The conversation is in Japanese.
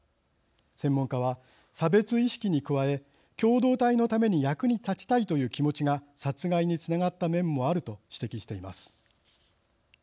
専門家は差別意識に加え共同体のために役に立ちたいという気持ちが殺害につながった面もあると指摘しています。